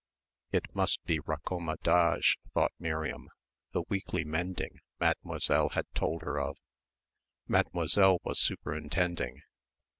It must be raccommodage thought Miriam the weekly mending Mademoiselle had told her of. Mademoiselle was superintending.